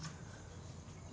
assalamualaikum bu yola